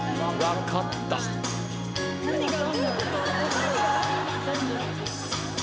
何が？